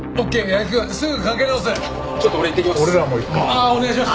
ああお願いします。